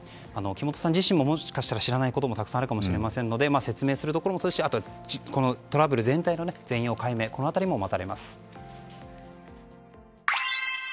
木本さん自身ももしかしたら知らないこともたくさんあるかもしれませんので説明するところもそうですしトラブル全体の全容解明も待たれます。